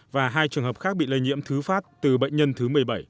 và hai trường hợp khác bị lây nhiễm thứ phát từ bệnh nhân thứ một mươi bảy